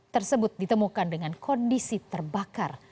tersebut ditemukan dengan kondisi terbakar